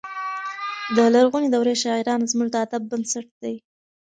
د لرغونې دورې شاعران زموږ د ادب بنسټ دی.